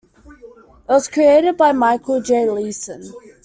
It was created by Michael J. Leeson.